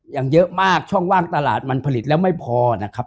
อย่างเยอะมากช่องว่างตลาดมันผลิตแล้วไม่พอนะครับ